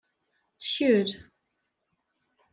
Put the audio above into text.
Ttkel!